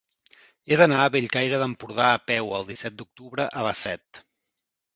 He d'anar a Bellcaire d'Empordà a peu el disset d'octubre a les set.